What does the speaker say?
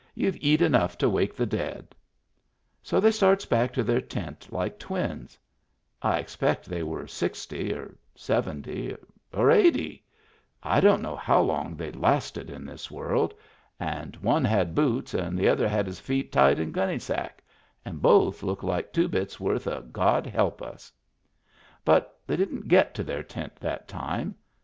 You've eet enough to wake the dead." So they starts back to their tent like twins. I expect they were sixty, or seventy, or eighty — I don't know how long they'd lasted in this world — Digitized by Google 236 MEMBERS OF THE FAMILY and one had boots, and the other had his feet tied in gunnysack, and both looked like two bits' worth of God help US. But they didn't get to their tent that time.